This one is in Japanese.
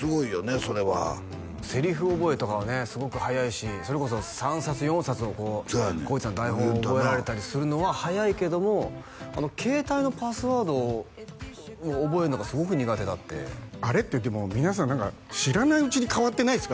それはセリフ覚えとかはねすごく早いしそれこそ３冊４冊を耕史さん台本を覚えられたりするのは早いけども携帯のパスワードを覚えるのがすごく苦手だってあれってでも皆さん何か知らないうちに変わってないですか？